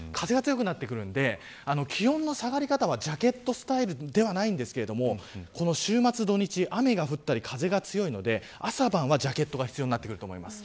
なので、気温の下がり方はジャケットスタイルではないんですけど週末の土日は雨が降ったり風が強めで朝晩はジャケットが必要になると思います。